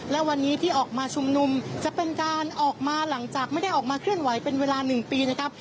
และวันนี้ที่ออกมาชุมนุมจะเป็นการออกมาหลังจากไม่ได้ออกมาเคลื่อนไหวเป็นเวลา๑ปีนะครับ